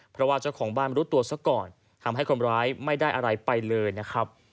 เพราะว่าเจ้าของบ้านรู้ตัวซะก่อนทำให้คนร้ายไม่ได้อะไรไปเลยนะครับ